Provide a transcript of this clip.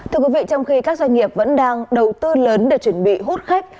thưa quý vị trong khi các doanh nghiệp vẫn đang đầu tư lớn để chuẩn bị hút khách